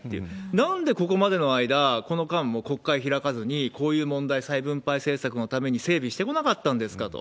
なんでここまでの間、この間も、国会開かずにこういう問題、再分配政策のために整備してこなかったんですかと。